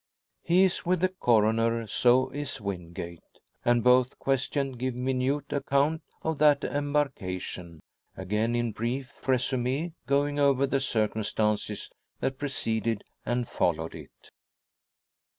He is with the Coroner so is Wingate and both questioned give minute account of that embarkation, again in brief resume going over the circumstances that preceded and followed it.